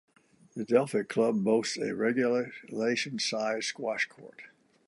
The Delphic Club boasts a regulation-size squash court.